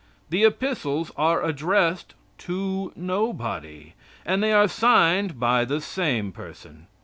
The epistles are addressed to nobody; and they are signed by the same person.